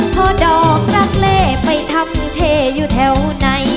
พอดอกรักเล่ไปทำเทอยู่แถวไหน